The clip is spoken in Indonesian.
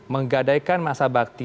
menggadaikan masa bakteria